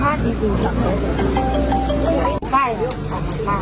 แม่ขอบคุณมากแม่ขอบคุณมากแม่ขอบคุณมาก